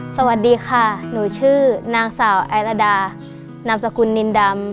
สวัสดีค่ะหนูชื่อนางสาวไอรดานามสกุลนินดำ